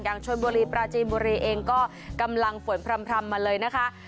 อย่างชนบุรีประจีนบุรีเองก็กำลังฝนพร่ำพร่ำมาเลยนะคะ